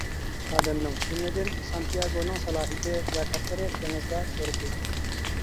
ئادەمنىڭ، جۈملىدىن سانتىياگونىڭ سالاھىيىتى ۋە تەقدىرى دېڭىزدا يورۇتۇلىدۇ.